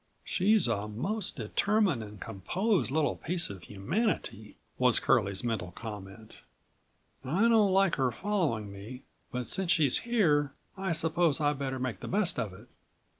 "She's a most determined and composed little piece of humanity," was Curlie's mental comment. "I don't like her following me, but since she's here I suppose I better make the best of it!"